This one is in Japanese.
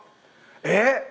えっ？